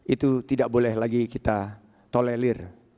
itu tidak boleh lagi kita tolerir